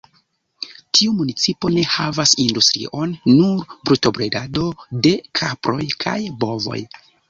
Tiu municipo ne havas industrion, nur brutobredado de kaproj kaj bovoj.